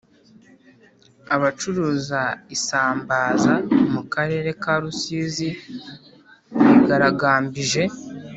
Abacuruza isambaaza mukarere ka rusizi bigaragambije